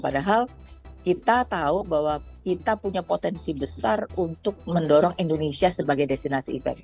padahal kita tahu bahwa kita punya potensi besar untuk mendorong indonesia sebagai destinasi event